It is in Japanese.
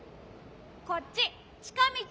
こっちちかみち。